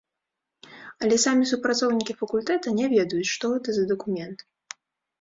Але самі супрацоўнікі факультэта не ведаюць, што гэта за дакумент.